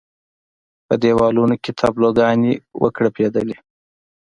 په دېوالونو کې تابلو ګانې وکړپېدلې.